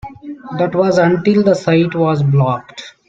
That was until the site was blocked.